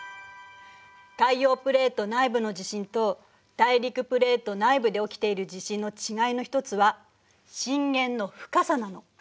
海洋プレート内部の地震と大陸プレート内部で起きている地震の違いのひとつは震源の深さなの。